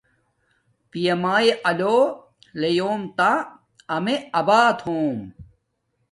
پیامیاے آلو لیوم تا آمے آبات ہوم